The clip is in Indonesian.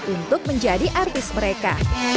untuk menjadi artis mereka